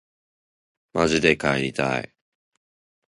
まじで帰りたい